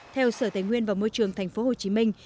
theo sở tài nguyên và môi trường thành phố hồ chí minh